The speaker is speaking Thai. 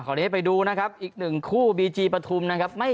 ขอนี้ให้ไปดูนะครับอีกหนึ่งคู่บีจีประทุมนะครับไม่